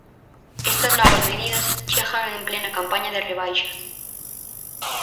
Estas novas medidas chegan en plena campaña de rebaixas.